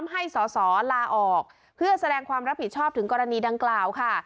ให้สอสอลาออกเพื่อแสดงความรับผิดชอบถึงกรณีดังกล่าวค่ะ